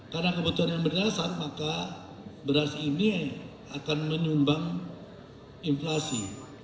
karena kebutuhan yang berdasar maka beras ini akan menyumbang inflasi